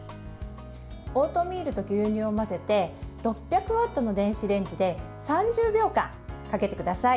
オートミールと牛乳を混ぜて６００ワットの電子レンジで３０秒間かけてください。